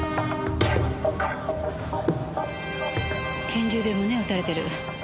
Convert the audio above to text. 拳銃で胸を撃たれてる。